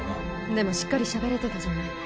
でもしっかり喋れてたじゃない。